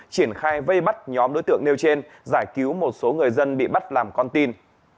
triển khai vây bắt nhóm đối tượng nêu trên giải cứu một số người dân bị bắt làm con tin